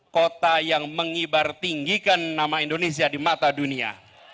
kota yang mengibar tinggikan nama indonesia di mata dunia